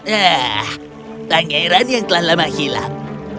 hah langeran yang telah lama hilang